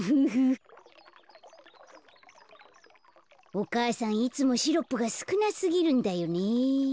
お母さんいつもシロップがすくなすぎるんだよね。